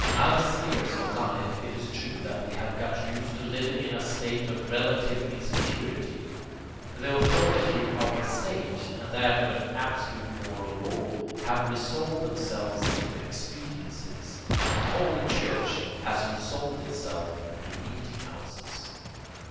In other spheres of life it is true that we have got used to living in a state of relative insecurity. The authority of 'the State,' and that of an absolute 'moral law,' have resolved themselves into expediencies, and holy church has resolved itself into 'meeting houses.'